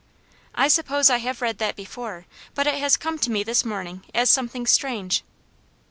I sup pose I have read that before, but it has come to me this morning as something strange."